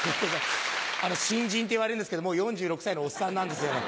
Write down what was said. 新人って言われるんですけどもう４６歳のおっさんなんですよ。